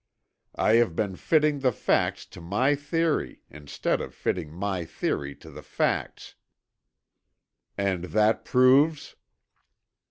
I have been fitting the facts to my theory instead of fitting my theory to the facts!" "And that proves?"